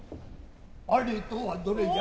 あれとはどれじゃ。